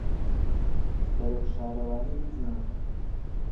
سەرۆک شارەوانی هیچ نازانێت.